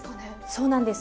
そうなんです。